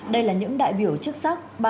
đây là những đại biểu chức sắc